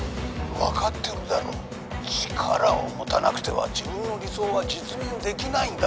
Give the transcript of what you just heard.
分かってるだろ力を持たなくては自分の理想は実現できないんだ